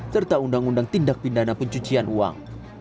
serta undang undang tindak pidana pencucian uang